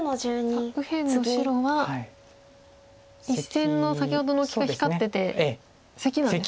さあ右辺の白は１線の先ほどのオキが光っててセキなんですか。